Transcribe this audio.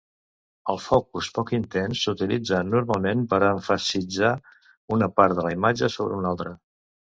El focus poc intens s'utilitza normalment per emfasitzar una part de la imatge sobre una altra.